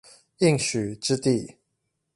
應許之地